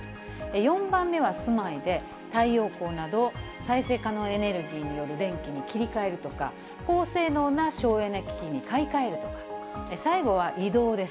４番目は住まいで、太陽光など再生可能エネルギーによる電気に切り替えるとか、高性能な省エネ機器に買い替えるとか、最後は移動です。